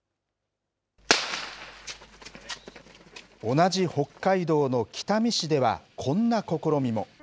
同じ北海道の北見市では、こんな試みも。